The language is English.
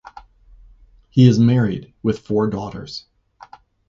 He is married with four daughters.